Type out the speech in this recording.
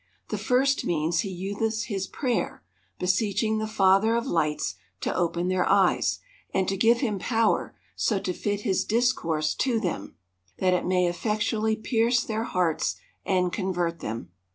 — The first means he useth is prayer ; beseeching the Father of lights to open their eyes, and to give him power so to fit his dis course to them, that it may etfectually pierce their hearts, and convert them.